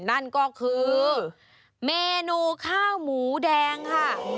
นั่นก็คือเมนูข้าวหมูแดงค่ะ